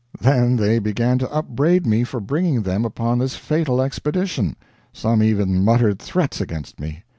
Then they began to upbraid me for bringing them upon this fatal expedition. Some even muttered threats against me.